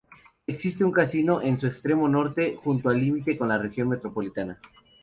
Existe un casino en su extremo norte junto al límite con la Región Metropolitana.